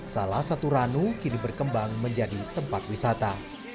salah satu ranu kini berkembang menjadi tempat wisata